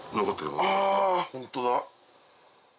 あぁホントだ。